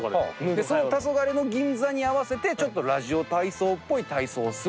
その「たそがれの銀座」に合わせてちょっとラジオ体操っぽい体操をするという。